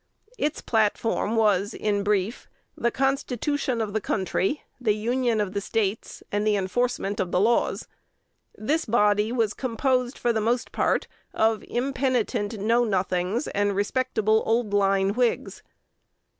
Its platform was, in brief, "The Constitution of the Country, the Union of the States, and the Enforcement of the Laws." This body was composed for the most part of impenitent Know Nothings and respectable old line Whigs.